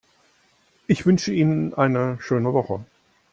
Ich wünsche Ihnen eine schöne Woche.